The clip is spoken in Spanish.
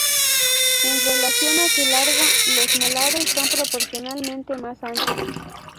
En relación a su largo, los molares son proporcionalmente más anchos.